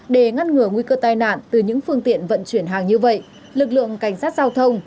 để ngăn ngừa nguy cơ tai nạn từ những phương tiện vận chuyển hàng như vậy lực lượng cảnh sát giao thông